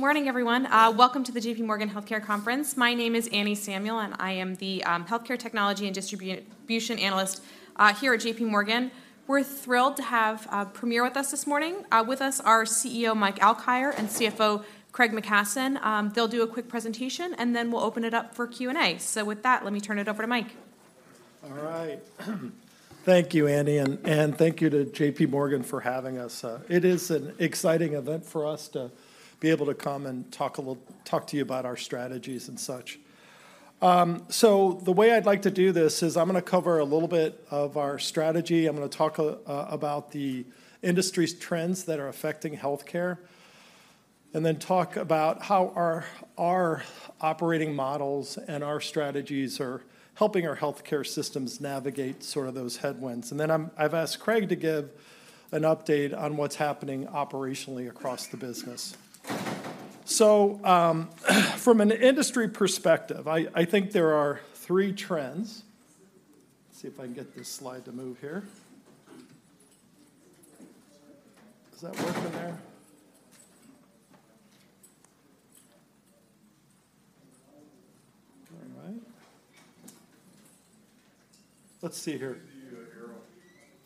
Morning, everyone. Welcome to the J.P. Morgan Healthcare Conference. My name is Anne Samuel, and I am the, Healthcare Technology and Distribution Analyst, here at J.P. Morgan. We're thrilled to have, Premier with us this morning. With us are CEO Mike Alkire and CFO Craig McKasson. They'll do a quick presentation, and then we'll open it up for Q&A. So with that, let me turn it over to Mike. All right. Thank you, Anne, and thank you to J.P. Morgan for having us. It is an exciting event for us to be able to come and talk to you about our strategies and such. So the way I'd like to do this is I'm gonna cover a little bit of our strategy. I'm gonna talk about the industry's trends that are affecting healthcare, and then talk about how our operating models and our strategies are helping our healthcare systems navigate sort of those headwinds. I've asked Craig to give an update on what's happening operationally across the business. So from an industry perspective, I think there are three trends. Let's see if I can get this slide to move here. Is that working there? All right. Let's see here.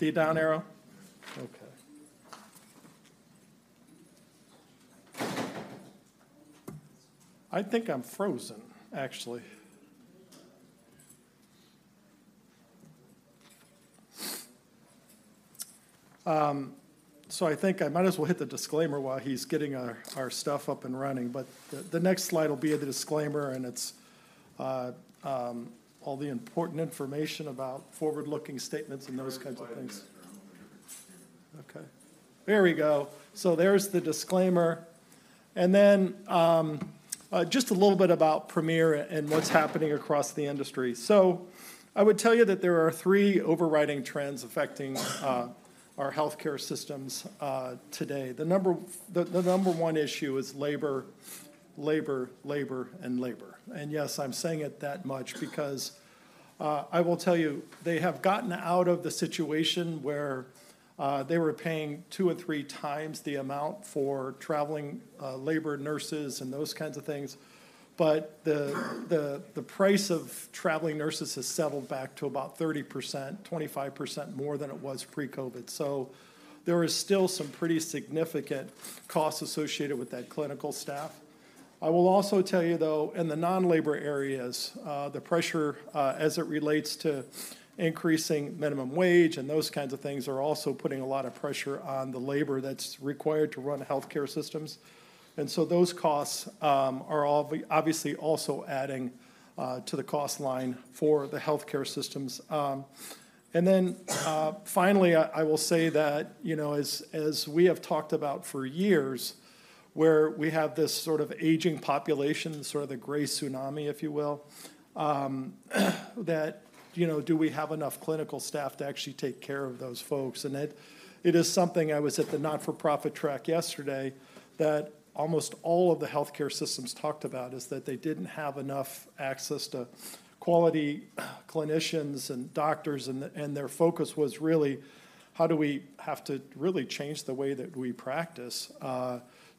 Okay. I think I'm frozen, actually. So I think I might as well hit the disclaimer while he's getting our stuff up and running, but the next slide will be the disclaimer, and it's all the important information about forward-looking statements and those kinds of things. Yeah, click on that arrow over here. Okay. There we go! So there's the disclaimer, and then, just a little bit about Premier and what's happening across the industry. So I would tell you that there are three overriding trends affecting our healthcare systems today. The number one issue is labor, labor, labor, and labor. And, yes, I'm saying it that much because I will tell you, they have gotten out of the situation where they were paying two or three times the amount for traveling labor nurses and those kinds of things. But the price of traveling nurses has settled back to about 30%, 25% more than it was pre-COVID. So there is still some pretty significant costs associated with that clinical staff. I will also tell you, though, in the non-labor areas, the pressure, as it relates to increasing minimum wage and those kinds of things are also putting a lot of pressure on the labor that's required to run healthcare systems. So those costs are obviously also adding to the cost line for the healthcare systems. Then, finally, I will say that, you know, as we have talked about for years, where we have this sort of aging population, sort of the gray tsunami, if you will, that, you know, do we have enough clinical staff to actually take care of those folks? It is something I was at the Not-for-Profit Track yesterday, that almost all of the healthcare systems talked about is that they didn't have enough access to quality clinicians and doctors, and their focus was really: how do we have to really change the way that we practice,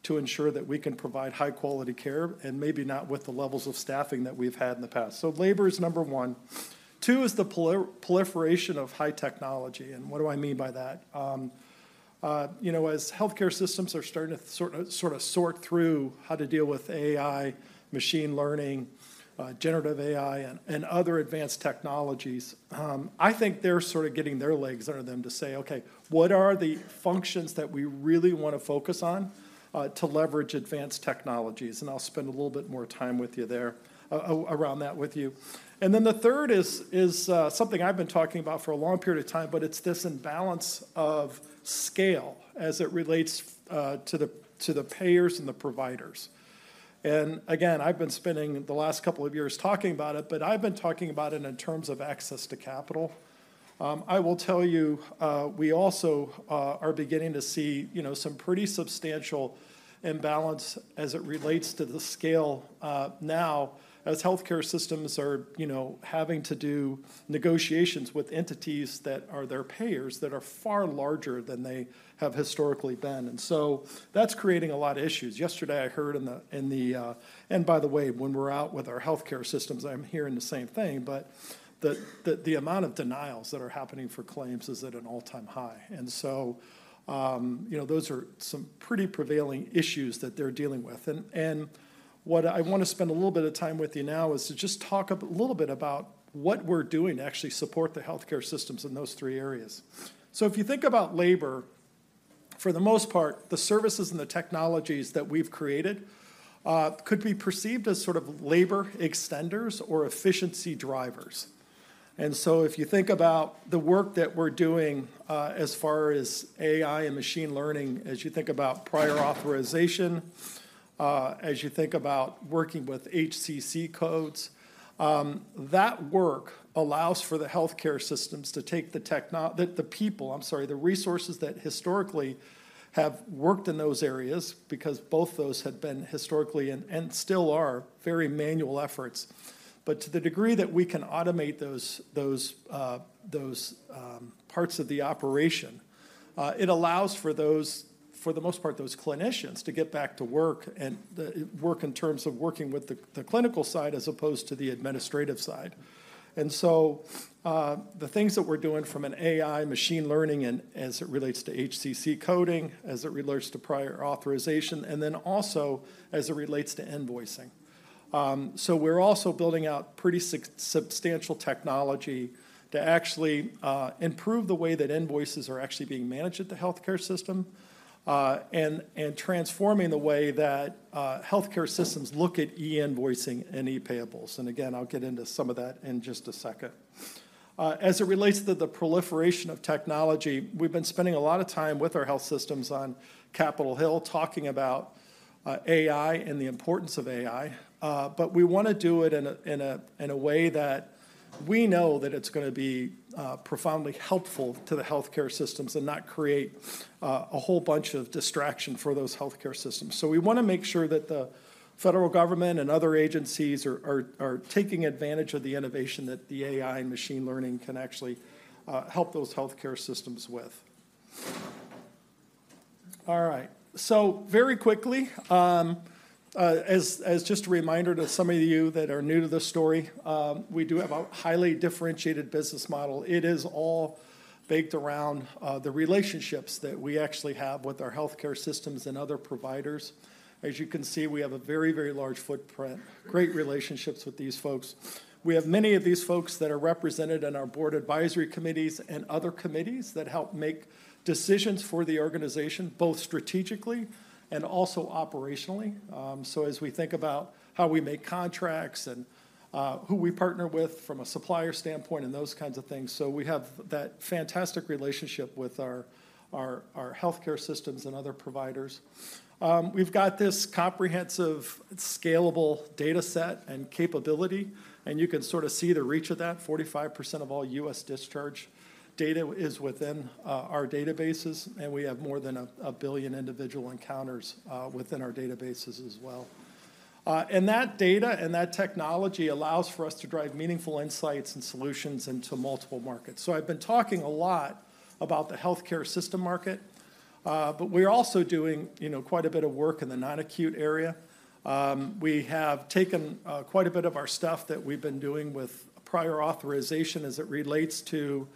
to ensure that we can provide high-quality care and maybe not with the levels of staffing that we've had in the past? So labor is number one. Two is the proliferation of high technology, and what do I mean by that? You know, as healthcare systems are starting to sort of sort through how to deal with AI, machine learning, generative AI, and other advanced technologies, I think they're sort of getting their legs under them to say, "Okay, what are the functions that we really want to focus on, to leverage advanced technologies?" And I'll spend a little bit more time with you there, around that with you. And then the third is something I've been talking about for a long period of time, but it's this imbalance of scale as it relates to the payers and the providers. And again, I've been spending the last couple of years talking about it, but I've been talking about it in terms of access to capital. I will tell you, we also are beginning to see, you know, some pretty substantial imbalance as it relates to the scale, now, as healthcare systems are, you know, having to do negotiations with entities that are their payers, that are far larger than they have historically been. So that's creating a lot of issues. Yesterday, I heard in the. By the way, when we're out with our healthcare systems, I'm hearing the same thing, but the amount of denials that are happening for claims is at an all-time high. So, you know, those are some pretty prevailing issues that they're dealing with. What I want to spend a little bit of time with you now is to just talk a little bit about what we're doing to actually support the healthcare systems in those three areas. So if you think about labor, for the most part, the services and the technologies that we've created could be perceived as sort of labor extenders or efficiency drivers. And so if you think about the work that we're doing, as far as AI and machine learning, as you think about prior authorization, as you think about working with HCC codes, that work allows for the healthcare systems to take the resources that historically have worked in those areas, because both those had been historically and still are, very manual efforts. But to the degree that we can automate those parts of the operation, it allows for those, for the most part, those clinicians to get back to work, and the work in terms of working with the clinical side as opposed to the administrative side. And so, the things that we're doing from an AI machine learning and as it relates to HCC coding, as it relates to prior authorization, and then also as it relates to invoicing. So we're also building out pretty substantial technology to actually improve the way that invoices are actually being managed at the healthcare system, and transforming the way that healthcare systems look at e-invoicing and e-payables. And again, I'll get into some of that in just a second. As it relates to the proliferation of technology, we've been spending a lot of time with our health systems on Capitol Hill, talking about AI and the importance of AI. But we wanna do it in a way that we know that it's gonna be profoundly helpful to the healthcare systems and not create a whole bunch of distraction for those healthcare systems. So we wanna make sure that the federal government and other agencies are taking advantage of the innovation that the AI machine learning can actually help those healthcare systems with. All right. So very quickly, as just a reminder to some of you that are new to this story, we do have a highly differentiated business model. It is all baked around the relationships that we actually have with our healthcare systems and other providers. As you can see, we have a very, very large footprint, great relationships with these folks. We have many of these folks that are represented on our board advisory committees and other committees, that help make decisions for the organization, both strategically and also operationally. So as we think about how we make contracts and who we partner with from a supplier standpoint and those kinds of things, so we have that fantastic relationship with our, our, our healthcare systems and other providers. We've got this comprehensive, scalable data set and capability, and you can sort of see the reach of that. 45% of all U.S. discharge data is within our databases, and we have more than 1 billion individual encounters within our databases as well. And that data and that technology allows for us to drive meaningful insights and solutions into multiple markets. So I've been talking a lot about the healthcare system market, but we're also doing, you know, quite a bit of work in the non-acute area. We have taken quite a bit of our stuff that we've been doing with prior authorization as it relates to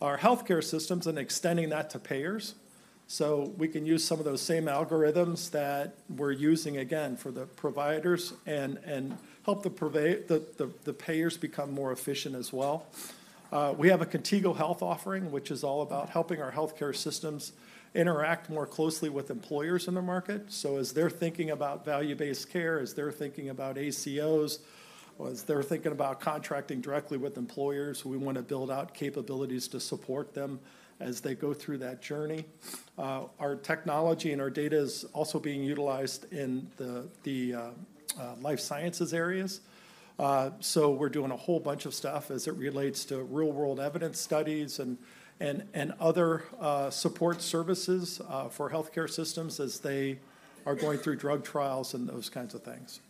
our healthcare systems and extending that to payers. So we can use some of those same algorithms that we're using, again, for the providers and help the payers become more efficient as well. We have a Contigo Health offering, which is all about helping our healthcare systems interact more closely with employers in the market. So as they're thinking about value-based care, as they're thinking about ACOs, or as they're thinking about contracting directly with employers, we wanna build out capabilities to support them as they go through that journey. Our technology and our data is also being utilized in the life sciences areas. So we're doing a whole bunch of stuff as it relates to real-world evidence studies and other support services for healthcare systems as they are going through drug trials and those kinds of things.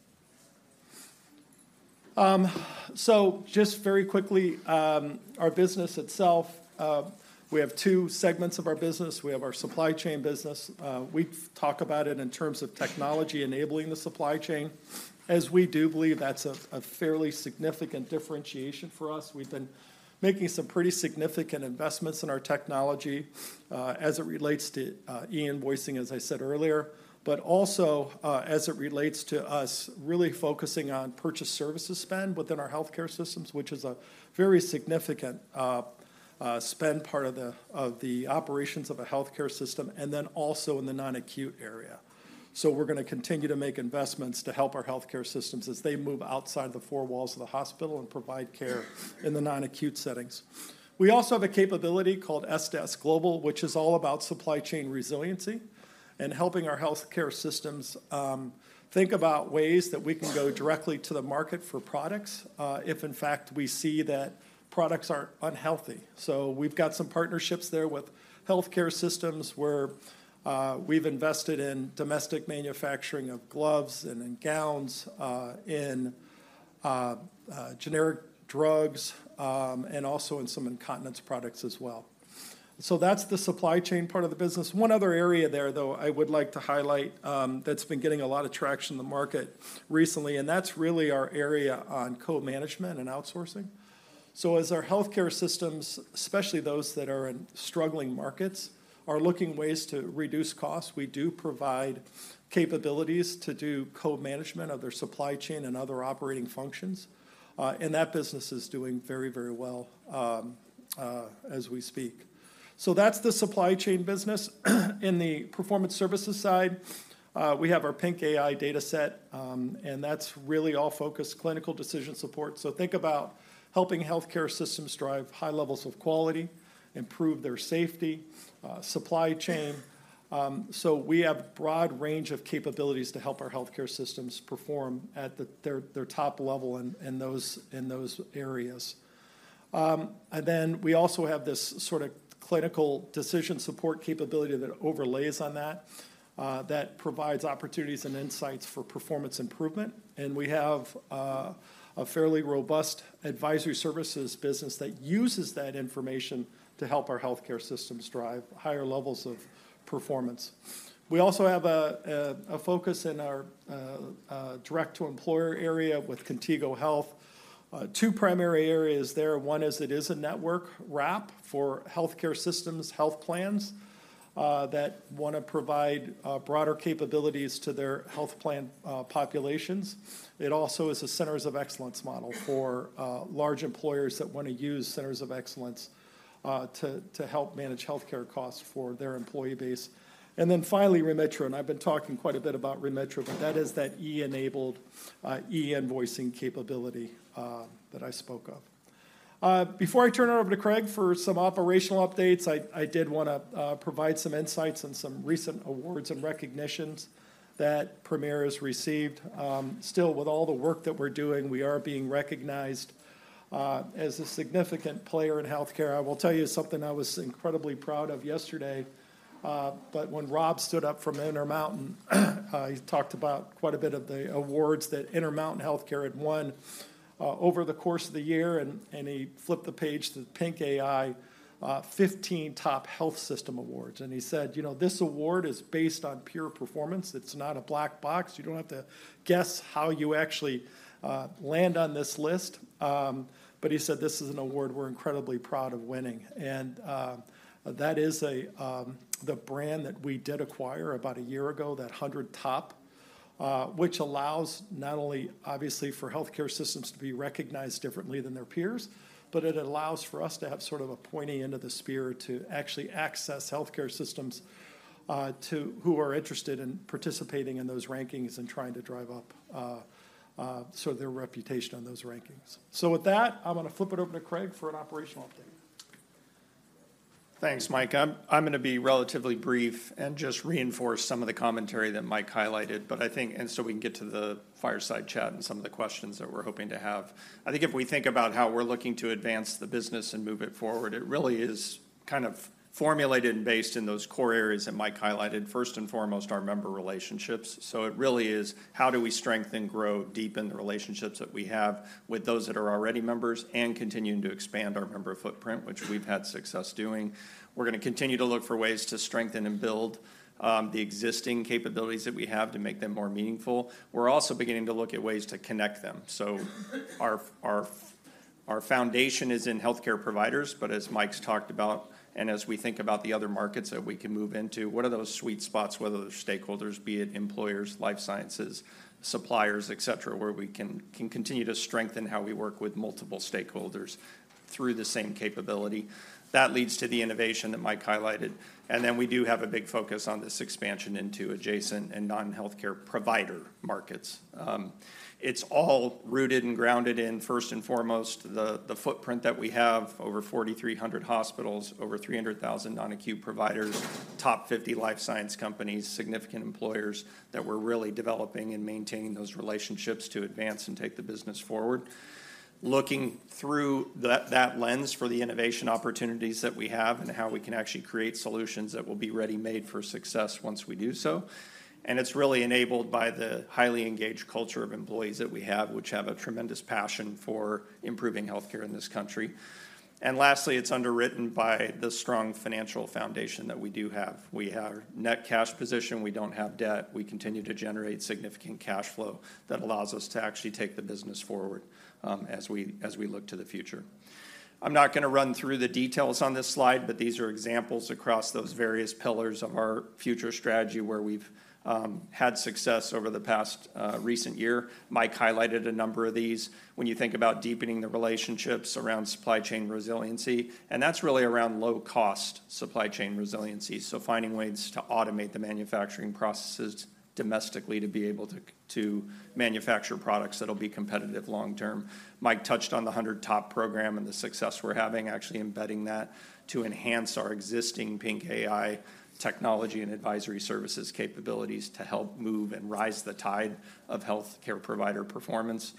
So just very quickly, our business itself, we have two segments of our business. We have our supply chain business. We talk about it in terms of technology enabling the supply chain, as we do believe that's a fairly significant differentiation for us. We've been making some pretty significant investments in our technology, as it relates to e-invoicing, as I said earlier, but also as it relates to us really focusing on purchased services spend within our healthcare systems, which is a very significant spend part of the operations of a healthcare system, and then also in the non-acute area. So we're gonna continue to make investments to help our healthcare systems as they move outside the four walls of the hospital and provide care in the non-acute settings. We also have a capability called S2S Global, which is all about supply chain resiliency and helping our healthcare systems think about ways that we can go directly to the market for products, if in fact we see that products are unhealthy. So we've got some partnerships there with healthcare systems, where we've invested in domestic manufacturing of gloves and in gowns, in generic drugs, and also in some incontinence products as well. So that's the supply chain part of the business. One other area there, though, I would like to highlight, that's been getting a lot of traction in the market recently, and that's really our area on co-management and outsourcing. So as our healthcare systems, especially those that are in struggling markets, are looking ways to reduce costs, we do provide capabilities to do co-management of their supply chain and other operating functions, and that business is doing very, very well, as we speak. So that's the supply chain business. In the performance services side, we have our PINC AI data set, and that's really all focused clinical decision support. So think about helping healthcare systems drive high levels of quality, improve their safety, supply chain. So we have a broad range of capabilities to help our healthcare systems perform at the, their, their top level in, in those, in those areas. And then we also have this sort of clinical decision support capability that overlays on that, that provides opportunities and insights for performance improvement. And we have a fairly robust advisory services business that uses that information to help our healthcare systems drive higher levels of performance. We also have a focus in our direct-to-employer area with Contigo Health. Two primary areas there. One is it is a network wrap for healthcare systems, health plans that wanna provide broader capabilities to their health plan populations. It also is a centers of excellence model for large employers that wanna use centers of excellence to help manage healthcare costs for their employee base. And then finally, Remitra, and I've been talking quite a bit about Remitra, but that is that e-enabled e-invoicing capability that I spoke of. Before I turn it over to Craig for some operational updates, I did wanna provide some insights on some recent awards and recognitions that Premier has received. Still, with all the work that we're doing, we are being recognized as a significant player in healthcare. I will tell you something I was incredibly proud of yesterday, but when Rob stood up from Intermountain Health, he talked about quite a bit of the awards that Intermountain Health had won over the course of the year, and he flipped the page to PINC AI, 15 Top Health System awards. And he said, "You know, this award is based on pure performance. It's not a black box. You don't have to guess how you actually land on this list." But he said, "This is an award we're incredibly proud of winning." And that is the brand that we did acquire about a year ago, that 100 Top, which allows not only obviously for healthcare systems to be recognized differently than their peers, but it allows for us to have sort of a pointy end of the spear to actually access healthcare systems to who are interested in participating in those rankings and trying to drive up so their reputation on those rankings. So with that, I'm gonna flip it over to Craig for an operational update. Thanks, Mike. I'm gonna be relatively brief and just reinforce some of the commentary that Mike highlighted, but I think, and so we can get to the fireside chat and some of the questions that we're hoping to have. I think if we think about how we're looking to advance the business and move it forward, it really is kind of formulated and based in those core areas that Mike highlighted, first and foremost, our member relationships. So it really is, how do we strengthen, grow, deepen the relationships that we have with those that are already members and continuing to expand our member footprint, which we've had success doing? We're gonna continue to look for ways to strengthen and build the existing capabilities that we have to make them more meaningful. We're also beginning to look at ways to connect them. So our foundation is in healthcare providers, but as Mike's talked about, and as we think about the other markets that we can move into, what are those sweet spots, whether they're stakeholders, be it employers, life sciences, suppliers, et cetera, where we can continue to strengthen how we work with multiple stakeholders through the same capability? That leads to the innovation that Mike highlighted. And then we do have a big focus on this expansion into adjacent and non-healthcare provider markets. It's all rooted and grounded in, first and foremost, the footprint that we have, over 4,300 hospitals, over 300,000 non-acute providers, top 50 life science companies, significant employers, that we're really developing and maintaining those relationships to advance and take the business forward. Looking through that, that lens for the innovation opportunities that we have and how we can actually create solutions that will be ready-made for success once we do so, and it's really enabled by the highly engaged culture of employees that we have, which have a tremendous passion for improving healthcare in this country. And lastly, it's underwritten by the strong financial foundation that we do have. We have net cash position. We don't have debt. We continue to generate significant cash flow that allows us to actually take the business forward, as we look to the future. I'm not gonna run through the details on this slide, but these are examples across those various pillars of our future strategy, where we've had success over the past recent year. Mike highlighted a number of these. When you think about deepening the relationships around supply chain resiliency, and that's really around low-cost supply chain resiliency, so finding ways to automate the manufacturing processes domestically to be able to manufacture products that'll be competitive long term. Mike touched on the 100 Top program and the success we're having, actually embedding that to enhance our existing PINC AI technology and advisory services capabilities to help move and rise the tide of healthcare provider performance.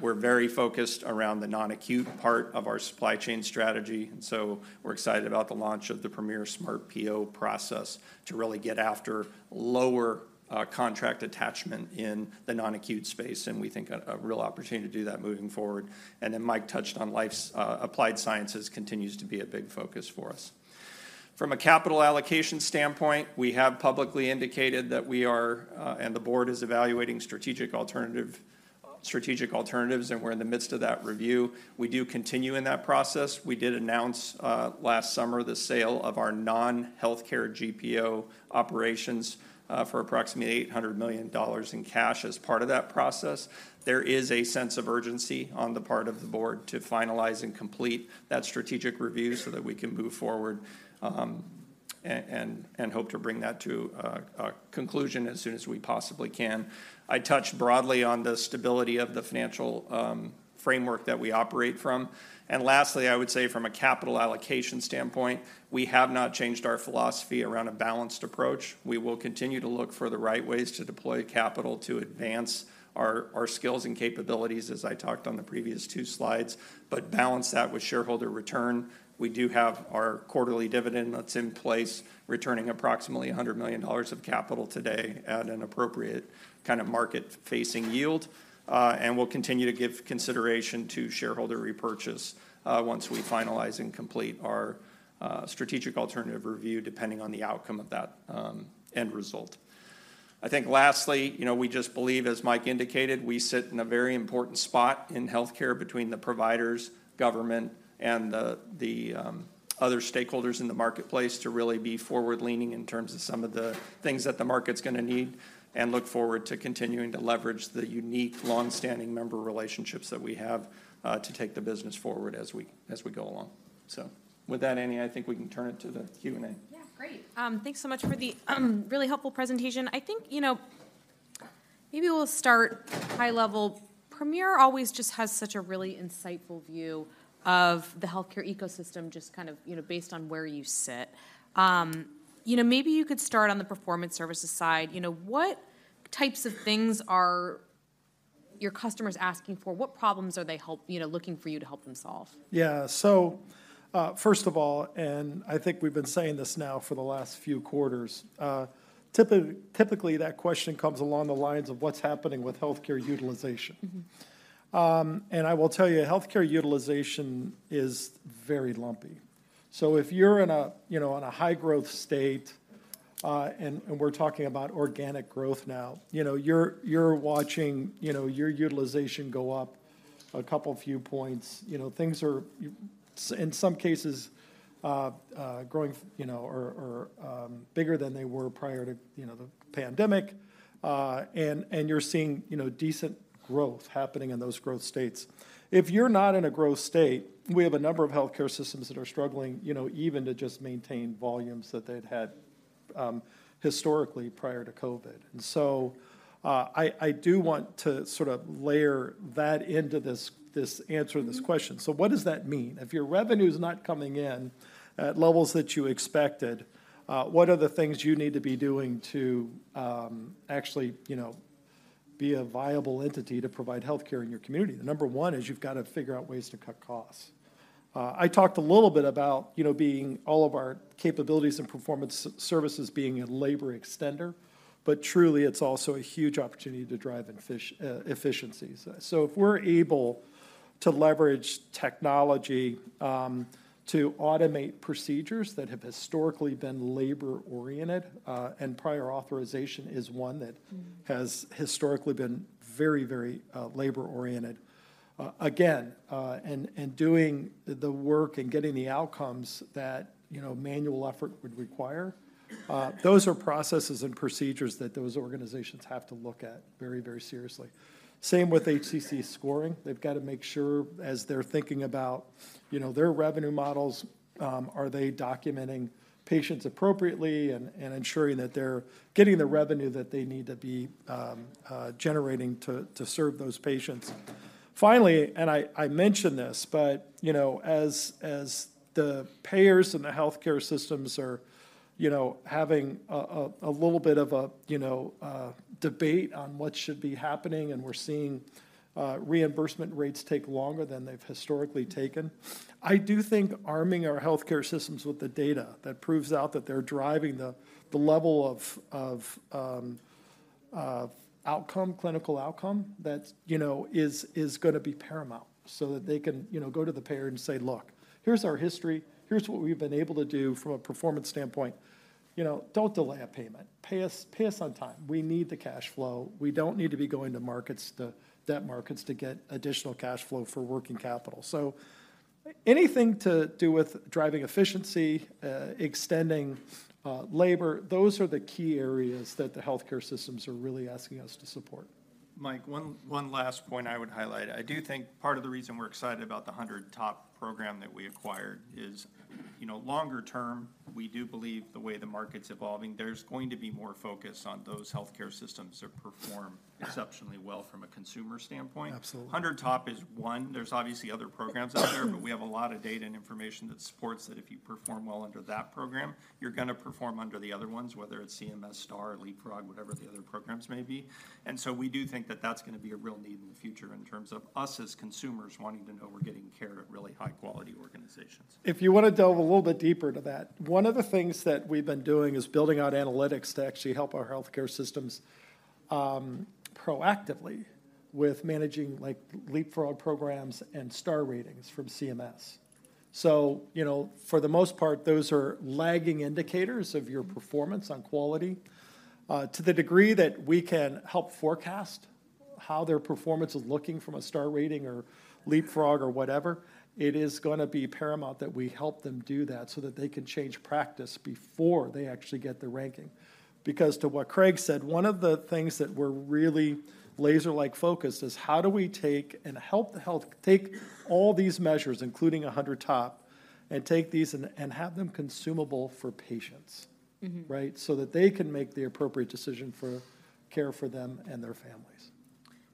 We're very focused around the non-acute part of our supply chain strategy, and so we're excited about the launch of the Premier SmartPO process to really get after lower contract attachment in the non-acute space, and we think a real opportunity to do that moving forward. And then Mike touched on life sciences continues to be a big focus for us. From a capital allocation standpoint, we have publicly indicated that we are, and the board is evaluating strategic alternatives, and we're in the midst of that review. We do continue in that process. We did announce last summer, the sale of our non-healthcare GPO operations for approximately $800 million in cash as part of that process. There is a sense of urgency on the part of the board to finalize and complete that strategic review so that we can move forward, and hope to bring that to a conclusion as soon as we possibly can. I touched broadly on the stability of the financial framework that we operate from. And lastly, I would say from a capital allocation standpoint, we have not changed our philosophy around a balanced approach. We will continue to look for the right ways to deploy capital to advance our skills and capabilities, as I talked on the previous two slides, but balance that with shareholder return. We do have our quarterly dividend that's in place, returning approximately $100 million of capital today at an appropriate kind of market-facing yield. And we'll continue to give consideration to shareholder repurchase, once we finalize and complete our strategic alternative review, depending on the outcome of that, end result. I think lastly, you know, we just believe, as Mike indicated, we sit in a very important spot in healthcare between the providers, government, and the other stakeholders in the marketplace to really be forward-leaning in terms of some of the things that the market's gonna need, and look forward to continuing to leverage the unique, long-standing member relationships that we have to take the business forward as we go along. So with that, Annie, I think we can turn it to the Q&A. Yeah, great. Thanks so much for the, really helpful presentation. I think, you know, maybe we'll start high level. Premier always just has such a really insightful view of the healthcare ecosystem, just kind of, you know, based on where you sit. You know, maybe you could start on the performance services side. You know, what types of things are your customers asking for? What problems are they you know, looking for you to help them solve? Yeah. So, first of all, and I think we've been saying this now for the last few quarters, typically, that question comes along the lines of what's happening with healthcare utilization. Mm-hmm. And I will tell you, healthcare utilization is very lumpy. So if you're in a, you know, in a high-growth state, and we're talking about organic growth now, you know, you're watching, you know, your utilization go up a couple few points. You know, things are in some cases growing, you know, or bigger than they were prior to, you know, the pandemic. And you're seeing, you know, decent growth happening in those growth states. If you're not in a growth state, we have a number of healthcare systems that are struggling, you know, even to just maintain volumes that they'd had historically prior to COVID. And so I do want to sort of layer that into this answer to this question. Mm-hmm. So what does that mean? If your revenue's not coming in at levels that you expected, what are the things you need to be doing to, actually, you know, be a viable entity to provide healthcare in your community? Number one is you've got to figure out ways to cut costs. I talked a little bit about, you know, being all of our capabilities and performance services being a labor extender, but truly, it's also a huge opportunity to drive efficiencies. So if we're able to leverage technology, to automate procedures that have historically been labor-oriented, and prior authorization is one that- Mm-hmm Has historically been very, very, labor-oriented. Again, and doing the work and getting the outcomes that, you know, manual effort would require, those are processes and procedures that those organizations have to look at very, very seriously. Same with HCC scoring. They've got to make sure as they're thinking about, you know, their revenue models, are they documenting patients appropriately and ensuring that they're getting the revenue that they need to be generating to serve those patients? Finally, and I mentioned this, but, you know, as the payers and the healthcare systems are, you know, having a little bit of a, you know, a debate on what should be happening, and we're seeing reimbursement rates take longer than they've historically taken, I do think arming our healthcare systems with the data that proves out that they're driving the level of outcome, clinical outcome, that, you know, is gonna be paramount, so that they can, you know, go to the payer and say, "Look, here's our history. Here's what we've been able to do from a performance standpoint. You know, don't delay a payment. Pay us, pay us on time. We need the cash flow. We don't need to be going to markets, to debt markets to get additional cash flow for working capital." So anything to do with driving efficiency, extending, labor, those are the key areas that the healthcare systems are really asking us to support. Mike, one last point I would highlight. I do think part of the reason we're excited about the 100 Top program that we acquired is, you know, longer term, we do believe the way the market's evolving, there's going to be more focus on those healthcare systems that perform exceptionally well from a consumer standpoint. Absolutely. 100 Top is one. There's obviously other programs out there, but we have a lot of data and information that supports that if you perform well under that program, you're gonna perform under the other ones, whether it's CMS Star, Leapfrog, whatever the other programs may be. And so we do think that that's gonna be a real need in the future in terms of us as consumers wanting to know we're getting care at really high-quality organizations. If you want to delve a little bit deeper to that, one of the things that we've been doing is building out analytics to actually help our healthcare systems, proactively with managing, like, Leapfrog programs and star ratings from CMS. So, you know, for the most part, those are lagging indicators of your performance on quality. To the degree that we can help forecast how their performance is looking from a star rating or Leapfrog or whatever, it is gonna be paramount that we help them do that so that they can change practice before they actually get their ranking. Because to what Craig said, one of the things that we're really laser-like focused is how do we take and help the health take all these measures, including a 100 Top, and take these and, and have them consumable for patients? Mm-hmm. Right? So that they can make the appropriate decision for care for them and their families.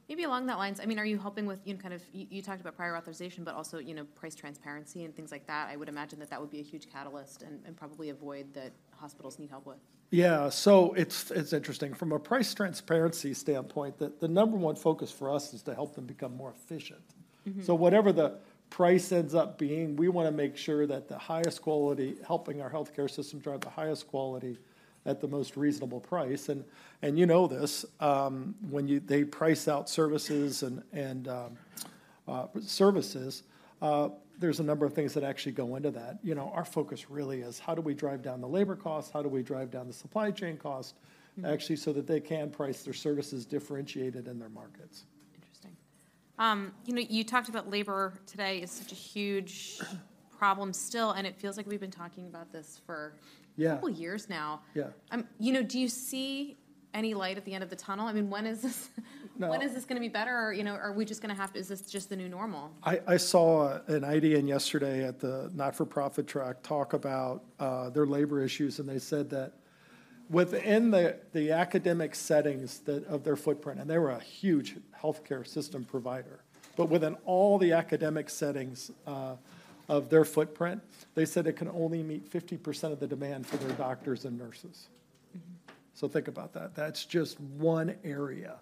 Maybe along those lines, I mean, are you helping with, you know, kind of, you talked about prior authorization, but also, you know, price transparency and things like that. I would imagine that that would be a huge catalyst and, and probably a void that hospitals need help with. Yeah, so it's interesting. From a price transparency standpoint, the number one focus for us is to help them become more efficient. Mm-hmm. So whatever the price ends up being, we wanna make sure that the highest quality- helping our healthcare system drive the highest quality at the most reasonable price. And you know this, when they price out services, there's a number of things that actually go into that. You know, our focus really is, how do we drive down the labor costs? How do we drive down the supply chain cost- Mm Actually, so that they can price their services differentiated in their markets? Interesting. You know, you talked about labor today as such a huge problem still, and it feels like we've been talking about this for- Yeah A couple years now. Yeah. You know, do you see any light at the end of the tunnel? I mean, when is this, No When is this gonna be better or, you know, are we just gonna have- is this just the new normal? I saw an IDN yesterday at the not-for-profit track talk about their labor issues, and they said that within the academic settings of their footprint, and they were a huge healthcare system provider, but within all the academic settings of their footprint, they said they can only meet 50% of the demand for their doctors and nurses. Mm-hmm. So think about that. That's just one area.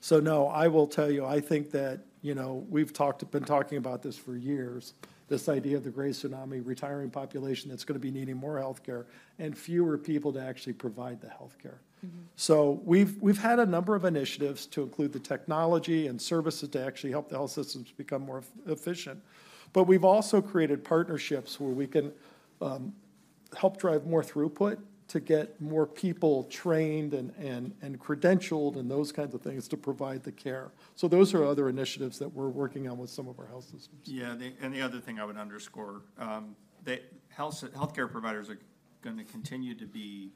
So no, I will tell you, I think that, you know, we've been talking about this for years, this idea of the gray tsunami, retiring population that's gonna be needing more healthcare and fewer people to actually provide the healthcare. Mm-hmm. So we've had a number of initiatives to include the technology and services to actually help the health systems become more efficient, but we've also created partnerships where we can help drive more throughput to get more people trained and credentialed, and those kinds of things to provide the care. So those are other initiatives that we're working on with some of our health systems. Yeah, and the other thing I would underscore, the healthcare providers are gonna continue to be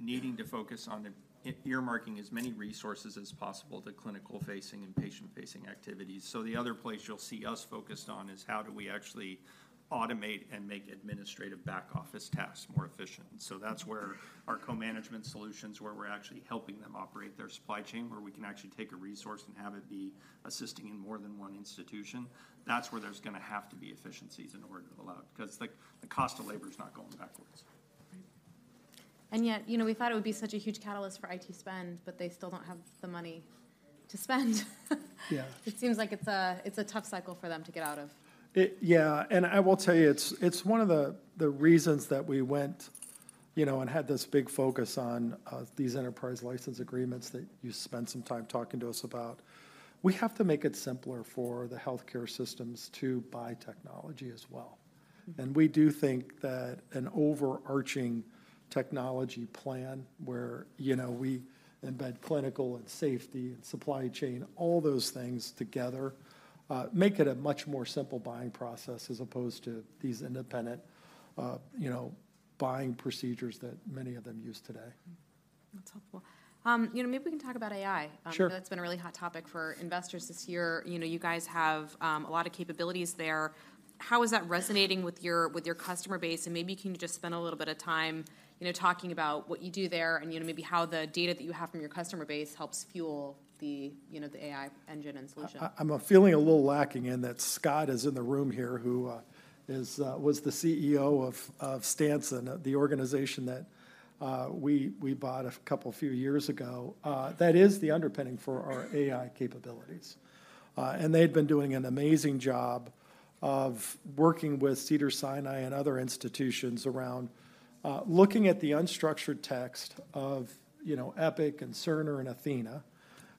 needing to focus on earmarking as many resources as possible to clinical-facing and patient-facing activities. So the other place you'll see us focused on is, how do we actually automate and make administrative back-office tasks more efficient? So that's where our co-management solutions, where we're actually helping them operate their supply chain, where we can actually take a resource and have it be assisting in more than one institution. That's where there's gonna have to be efficiencies in order to allow it, 'cause the cost of labor is not going backwards. And yet, you know, we thought it would be such a huge catalyst for IT spend, but they still don't have the money to spend. Yeah. It seems like it's a tough cycle for them to get out of. Yeah, and I will tell you, it's, it's one of the, the reasons that we went, you know, and had this big focus on these enterprise license agreements that you spent some time talking to us about. We have to make it simpler for the healthcare systems to buy technology as well. Mm. We do think that an overarching technology plan where, you know, we embed clinical, and safety, and supply chain, all those things together, make it a much more simple buying process as opposed to these independent, you know, buying procedures that many of them use today. That's helpful. You know, maybe we can talk about AI. Sure. That's been a really hot topic for investors this year. You know, you guys have a lot of capabilities there. How is that resonating with your customer base? Maybe, can you just spend a little bit of time, you know, talking about what you do there, and, you know, maybe how the data that you have from your customer base helps fuel the, you know, the AI engine and solution. I'm feeling a little lacking in that Scott is in the room here, who was the CEO of Stanson, the organization that we bought a couple few years ago. That is the underpinning for our AI capabilities. And they've been doing an amazing job of working with Cedars-Sinai and other institutions around looking at the unstructured text of, you know, Epic, and Cerner, and Athena,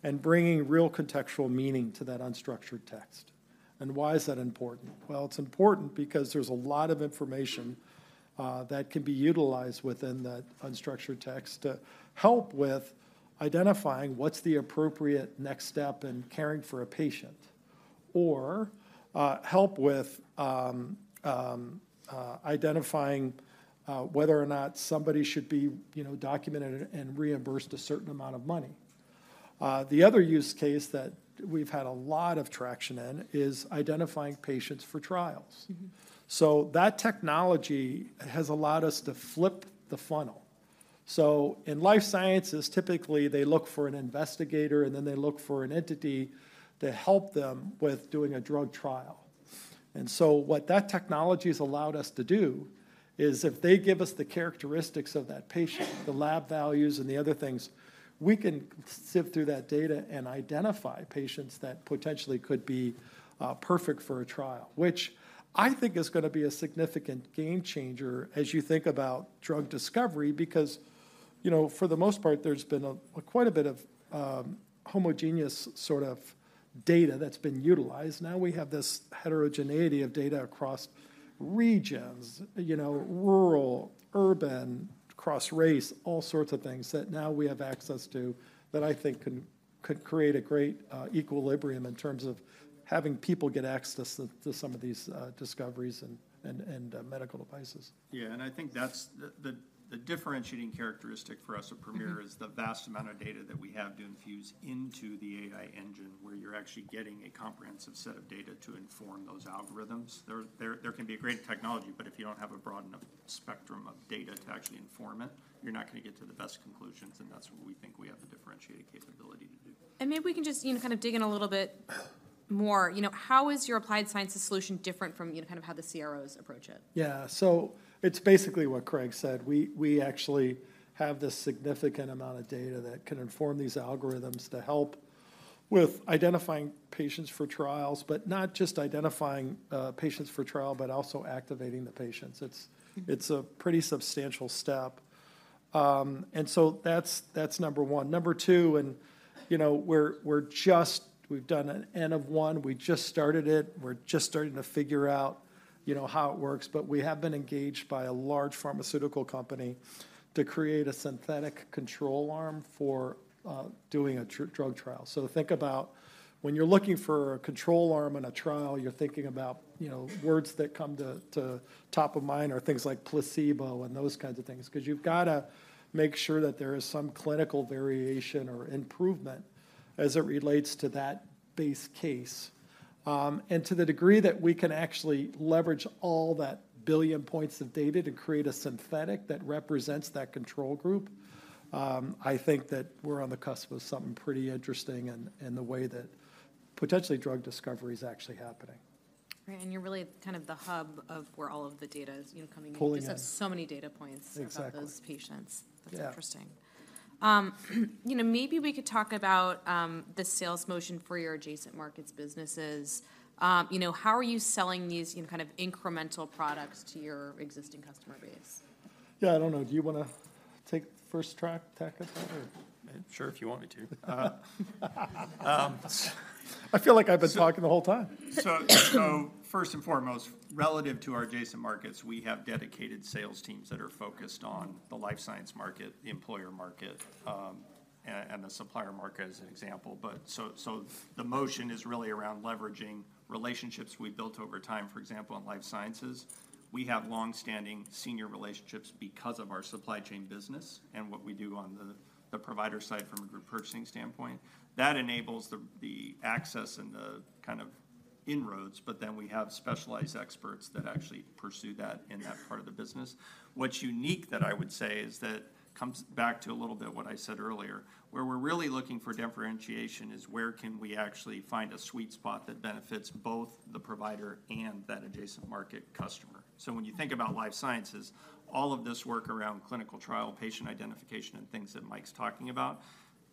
and bringing real contextual meaning to that unstructured text. And why is that important? Well, it's important because there's a lot of information that can be utilized within that unstructured text to help with identifying what's the appropriate next step in caring for a patient, or help with identifying whether or not somebody should be, you know, documented and reimbursed a certain amount of money. The other use case that we've had a lot of traction in is identifying patients for trials. Mm-hmm. So that technology has allowed us to flip the funnel. So in life sciences, typically, they look for an investigator, and then they look for an entity to help them with doing a drug trial. And so what that technology has allowed us to do is if they give us the characteristics of that patient, the lab values, and the other things, we can sift through that data and identify patients that potentially could be perfect for a trial, which I think is gonna be a significant game changer as you think about drug discovery, because, you know, for the most part, there's been a quite a bit of homogeneous sort of data that's been utilized. Now we have this heterogeneity of data across regions, you know, rural, urban, across race, all sorts of things that now we have access to, that I think can, could create a great equilibrium in terms of having people get access to some of these discoveries and medical devices. Yeah, and I think that's the differentiating characteristic for us at Premier, Mm-hmm. Is the vast amount of data that we have to infuse into the AI engine, where you're actually getting a comprehensive set of data to inform those algorithms. There can be a great technology, but if you don't have a broad enough spectrum of data to actually inform it, you're not gonna get to the best conclusions, and that's where we think we have a differentiating capability to do. Maybe we can just, you know, kind of dig in a little bit more. You know, how is your applied sciences solution different from, you know, kind of how the CROs approach it? Yeah. So it's basically what Craig said. We actually have this significant amount of data that can inform these algorithms to help with identifying patients for trials, but not just identifying patients for trial, but also activating the patients. It's a pretty substantial step. And so that's number one. Number two, and you know, we're just. We've done an N of one. We just started it. We're just starting to figure out, you know, how it works, but we have been engaged by a large pharmaceutical company to create a synthetic control arm for doing a drug trial. So think about when you're looking for a control arm in a trial, you're thinking about, you know, words that come to top of mind are things like placebo and those kinds of things. 'Cause you've gotta make sure that there is some clinical variation or improvement as it relates to that base case. And to the degree that we can actually leverage all that one billion points of data to create a synthetic that represents that control group, I think that we're on the cusp of something pretty interesting in the way that potentially drug discovery is actually happening. Right, and you're really kind of the hub of where all of the data is, you know, coming in. Pulling in. You just have so many data points, Exactly. About those patients. Yeah. That's interesting. You know, maybe we could talk about the sales motion for your adjacent markets businesses. You know, how are you selling these, you know, kind of incremental products to your existing customer base? Yeah, I don't know. Do you wanna take first crack at that, or? Sure, if you want me to. I feel like I've been talking the whole time. So, first and foremost, relative to our adjacent markets, we have dedicated sales teams that are focused on the life science market, the employer market, and the supplier market, as an example. But the motion is really around leveraging relationships we've built over time. For example, in life sciences, we have long-standing senior relationships because of our supply chain business and what we do on the provider side from a group purchasing standpoint. That enables the access and the kind of inroads, but then we have specialized experts that actually pursue that in that part of the business. What's unique that I would say is that comes back to a little bit what I said earlier, where we're really looking for differentiation is where can we actually find a sweet spot that benefits both the provider and that adjacent market customer? So when you think about life sciences, all of this work around clinical trial, patient identification, and things that Mike's talking about,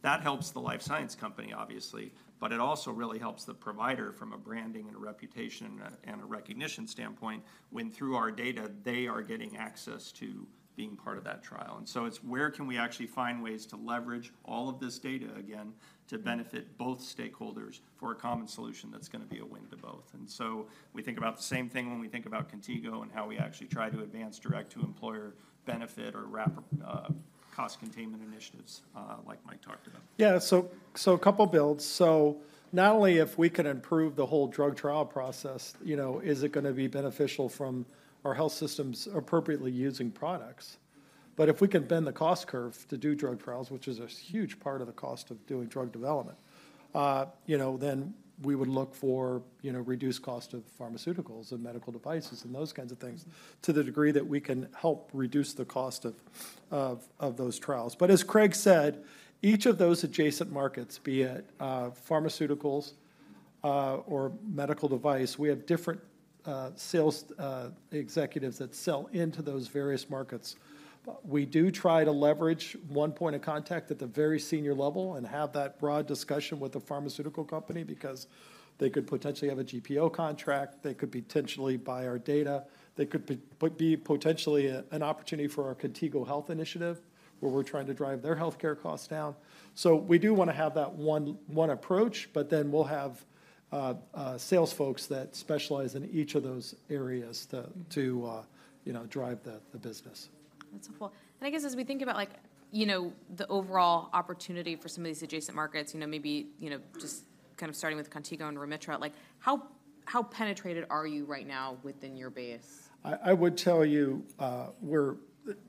that helps the life science company, obviously, but it also really helps the provider from a branding, and a reputation, and a recognition standpoint, when through our data, they are getting access to being part of that trial. And so it's where can we actually find ways to leverage all of this data again, to benefit both stakeholders for a common solution that's gonna be a win to both? And so we think about the same thing when we think about Contigo and how we actually try to advance direct-to-employer benefit or wrap-up, cost containment initiatives, like Mike talked about. Yeah, so a couple builds. So not only if we can improve the whole drug trial process, you know, is it gonna be beneficial from our health systems appropriately using products, but if we can bend the cost curve to do drug trials, which is a huge part of the cost of doing drug development, you know, then we would look for, you know, reduced cost of pharmaceuticals and medical devices and those kinds of things, to the degree that we can help reduce the cost of those trials. But as Craig said, each of those adjacent markets, be it pharmaceuticals or medical device, we have different sales executives that sell into those various markets. We do try to leverage one point of contact at the very senior level and have that broad discussion with the pharmaceutical company, because they could potentially have a GPO contract, they could potentially buy our data, they could be potentially an opportunity for our Contigo Health initiative, where we're trying to drive their healthcare costs down. So we do wanna have that one approach, but then we'll have sales folks that specialize in each of those areas to you know drive the business. That's helpful. I guess, as we think about, like, you know, the overall opportunity for some of these adjacent markets, you know, maybe, you know, just kind of starting with Contigo and Remitra, like, how, how penetrated are you right now within your base? I would tell you, we're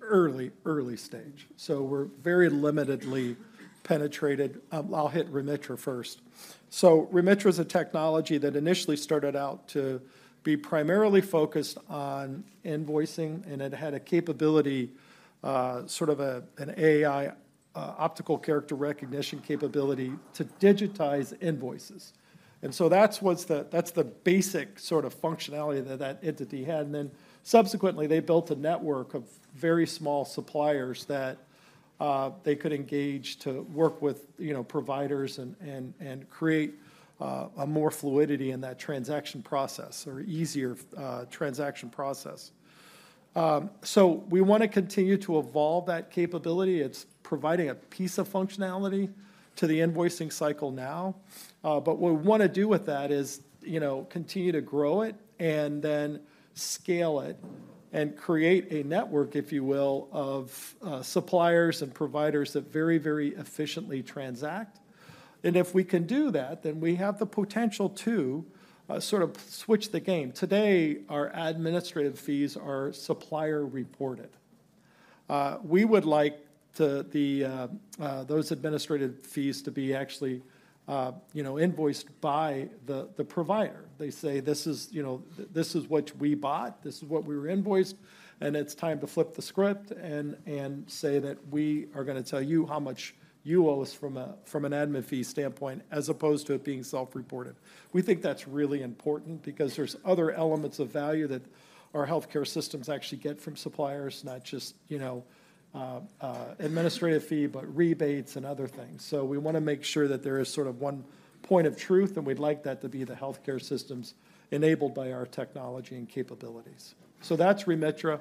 early, early stage, so we're very limitedly penetrated. I'll hit Remitra first. So Remitra is a technology that initially started out to be primarily focused on invoicing, and it had a capability, sort of an AI optical character recognition capability to digitize invoices. So that's the basic sort of functionality that that entity had. And then subsequently, they built a network of very small suppliers that they could engage to work with, you know, providers and create a more fluidity in that transaction process or easier transaction process. So we wanna continue to evolve that capability. It's providing a piece of functionality to the invoicing cycle now. But what we wanna do with that is, you know, continue to grow it and then scale it, and create a network, if you will, of suppliers and providers that very, very efficiently transact. And if we can do that, then we have the potential to sort of switch the game. Today, our administrative fees are supplier-reported. We would like those administrative fees to be actually, you know, invoiced by the provider. They say, "This is, you know, this is what we bought, this is what we were invoiced," and it's time to flip the script and say that, "We are gonna tell you how much you owe us from an admin fee standpoint," as opposed to it being self-reported. We think that's really important because there's other elements of value that our healthcare systems actually get from suppliers, not just, you know, administrative fee, but rebates and other things. So we wanna make sure that there is sort of one point of truth, and we'd like that to be the healthcare systems enabled by our technology and capabilities. So that's Remitra.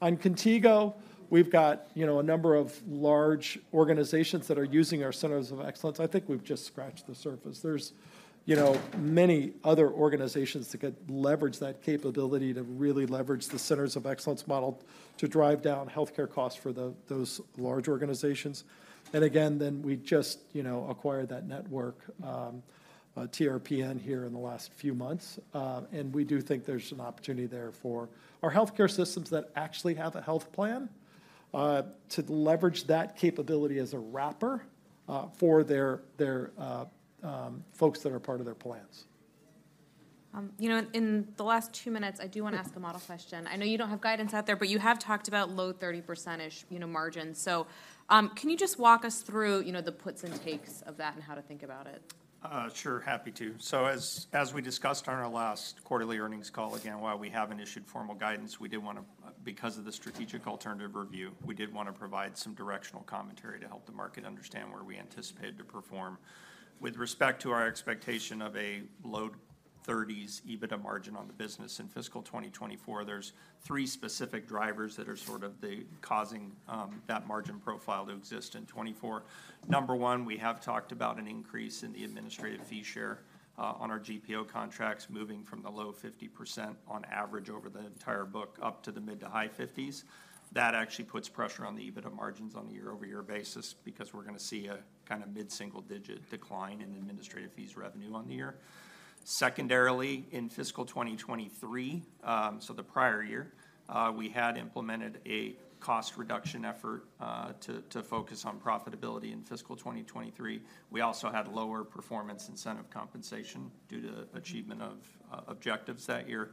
On Contigo, we've got, you know, a number of large organizations that are using our centers of excellence. I think we've just scratched the surface. There's, you know, many other organizations that could leverage that capability to really leverage the centers of excellence model to drive down healthcare costs for the, those large organizations. And again, then we just, you know, acquired that network, TRPN here in the last few months. And we do think there's an opportunity there for our healthcare systems that actually have a health plan to leverage that capability as a wrapper for their, their folks that are part of their plans. You know, in the last two minutes, I do wanna ask a model question. I know you don't have guidance out there, but you have talked about low 30%, you know, margins. So, can you just walk us through, you know, the puts and takes of that and how to think about it? Sure, happy to. So as we discussed on our last quarterly earnings call, again, while we haven't issued formal guidance, we did want to. Because of the strategic alternative review, we did wanna provide some directional commentary to help the market understand where we anticipated to perform. With respect to our expectation of a low 30s EBITDA margin on the business in fiscal 2024, there's three specific drivers that are sort of the causing that margin profile to exist in 2024. Number one, we have talked about an increase in the administrative fee share on our GPO contracts, moving from the low 50% on average over the entire book, up to the mid- to high 50s. That actually puts pressure on the EBITDA margins on a year-over-year basis, because we're gonna see a kind of mid-single-digit decline in administrative fees revenue on the year. Secondarily, in fiscal 2023, so the prior year, we had implemented a cost reduction effort to focus on profitability in fiscal 2023. We also had lower performance incentive compensation due to achievement of objectives that year.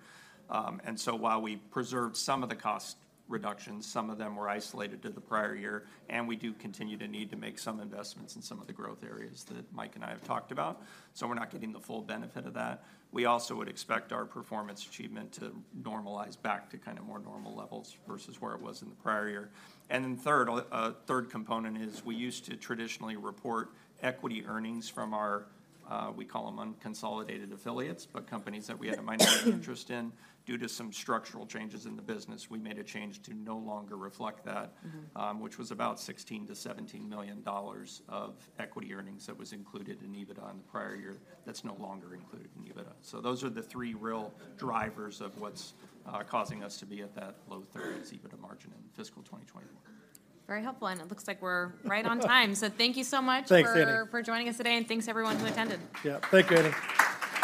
And so while we preserved some of the cost reductions, some of them were isolated to the prior year, and we do continue to need to make some investments in some of the growth areas that Mike and I have talked about, so we're not getting the full benefit of that. We also would expect our performance achievement to normalize back to kind of more normal levels versus where it was in the prior year. And then third, a third component is, we used to traditionally report equity earnings from our, we call them unconsolidated affiliates, but companies that we had a minority interest in. Due to some structural changes in the business, we made a change to no longer reflect that Mm-hmm. Which was about $16 million-$17 million of equity earnings that was included in EBITDA in the prior year, that's no longer included in EBITDA. So those are the three real drivers of what's causing us to be at that low 30s EBITDA margin in fiscal 2024. Very helpful, and it looks like we're right on time. So thank you so much. Thanks, Annie. For joining us today, and thanks everyone who attended. Yeah. Thank you, Anne.